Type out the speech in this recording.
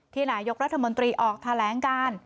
นายกรัฐมนตรีออกแถลงการ